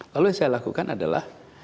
lalu yang saya lakukan adalah